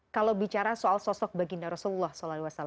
kalau bicara soal sosok baginda rasulullah saw